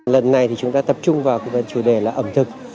lần này chúng ta tập trung vào chủ đề là ẩm thực